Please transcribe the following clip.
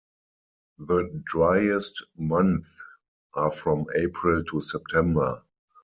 The driest months are from April to September.